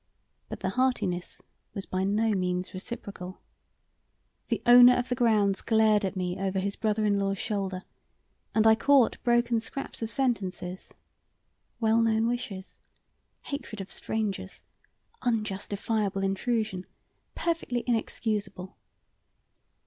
But the heartiness was by no means reciprocal. The owner of the grounds glared at me over his brother in law's shoulder, and I caught broken scraps of sentences "well known wishes ... hatred of strangers ... unjustifiable intrusion ... perfectly inexcusable."